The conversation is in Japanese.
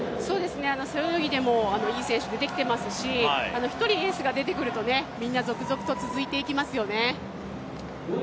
背泳ぎでもいい選手出てきていますし、１人エースが出てきますとみんな続々と続いていきますよね。